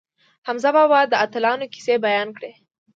حمزه بابا د اتلانو کیسې بیان کړې.